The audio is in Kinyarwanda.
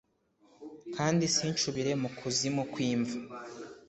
kandi sincubire mu kuzimu kw’imva